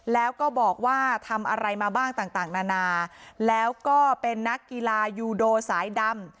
แล้วก็บอกว่าทำอะไรมาบ้างต่างนานาแล้วก็เป็นนักกีฬายูโดสายดำ